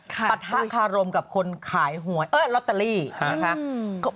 ปะทะคารมกับคนขายหวยลอตเตอรี่นะคะ